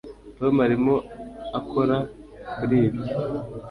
tom arimo akora kuri ibyo